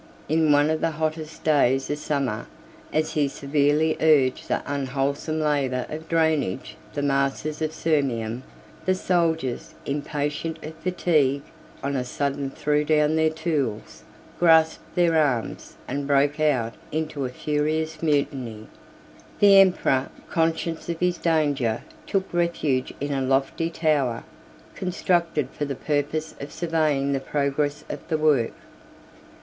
In one of the hottest days of summer, as he severely urged the unwholesome labor of draining the marshes of Sirmium, the soldiers, impatient of fatigue, on a sudden threw down their tools, grasped their arms, and broke out into a furious mutiny. The emperor, conscious of his danger, took refuge in a lofty tower, constructed for the purpose of surveying the progress of the work.